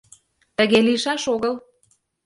Тыге лийшаш огыл!